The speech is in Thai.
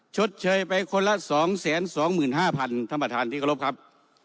ชดเชยไปคนละ๒๒๕๐๐๐ธรรมฐานที่กระทบครับ